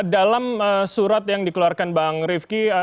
dalam surat yang dikeluarkan bang rifki